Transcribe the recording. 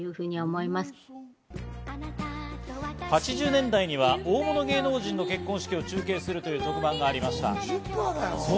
８０年代には大物芸能人の結婚式を中継するということがありました。